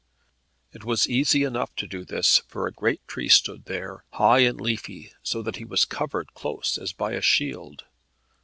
It was easy enough to do this, for a great tree stood there, high and leafy, so that he was covered close as by a shield.